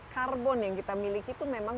karbon yang kita miliki itu memang